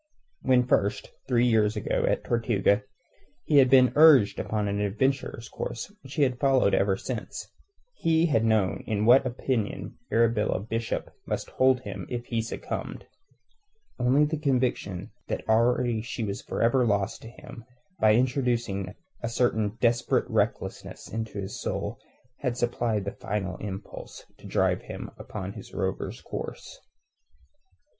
When first, three years ago, at Tortuga he had been urged upon the adventurer's course which he had followed ever since, he had known in what opinion Arabella Bishop must hold him if he succumbed. Only the conviction that already she was for ever lost to him, by introducing a certain desperate recklessness into his soul had supplied the final impulse to drive him upon his rover's course.